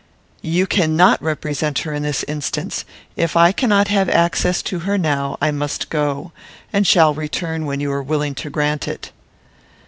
"You cannot represent her in this instance. If I cannot have access to her now, I must go; and shall return when you are willing to grant it."